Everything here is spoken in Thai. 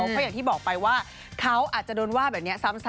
ก็อย่างที่บอกไปว่าเขาอาจจะโดนว่าแบบนี้ซ้ำ